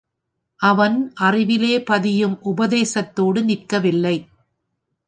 அவன் அறிவிலே பதியும் உபதேசத்தோடு நிற்கவில்லை.